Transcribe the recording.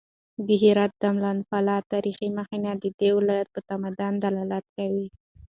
د هرات د مالان پله تاریخي مخینه د دې ولایت په تمدن دلالت کوي.